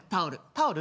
タオル？